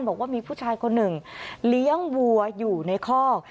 บอกว่ามีผู้ชายคนหนึ่งเลี้ยงวัวอยู่ในคอก